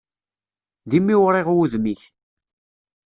D imiwriɣ wudem-ik.